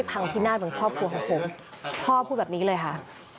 พ่อพูดแบบนี้เลยค่ะ